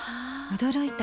驚いた。